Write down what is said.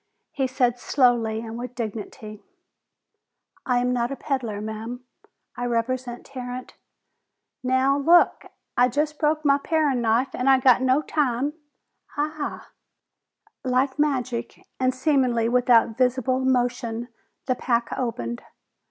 He said slowly and with dignity, "I am not a peddler, ma'am. I represent Tarrant " "Now, look! I just broke my parin' knife an' I got no time " "Ah!" Like magic, and seemingly without visible motion, the pack opened.